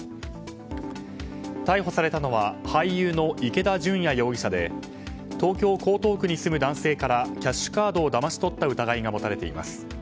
逮捕されたのは俳優の池田純矢容疑者で東京・江東区に住む男性からキャッシュカードをだまし取った疑いが持たれています。